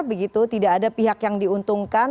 begitu tidak ada pihak yang diuntungkan